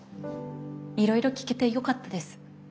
いろいろ聞けてよかったです。